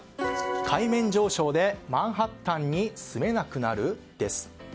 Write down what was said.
海面上昇でマンハッタンに住めなくなる？です。